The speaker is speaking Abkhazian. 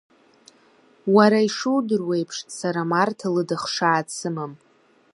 Уара ишудыруа еиԥш, сара Марҭа лыда хшаа дсымам.